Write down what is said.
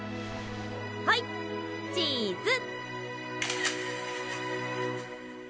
はいチーズ！